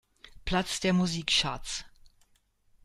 Platz der Musikcharts.